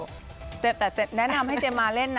แต่แนะนำให้เจมมาเล่นนะอยากดูความเคลื่อนไหวตลอดนะคะ